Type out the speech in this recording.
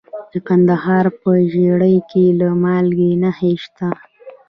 د کندهار په ژیړۍ کې د مالګې نښې شته.